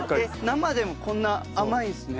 生でもこんな甘いんですね。